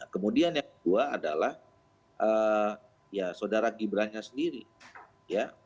kemudian yang kedua adalah ya saudara gibran nya sendiri ya